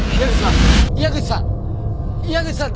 矢口さん！